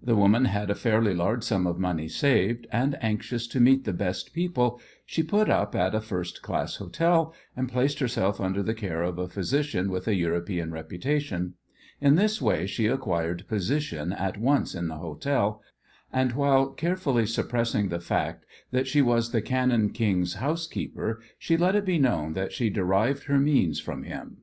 The woman had a fairly large sum of money saved, and, anxious to meet the best people, she put up at a first class hotel, and placed herself under the care of a physician with a European reputation. In this way she acquired position at once in the hotel, and while carefully suppressing the fact that she was the Cannon King's housekeeper she let it be known that she derived her means from him.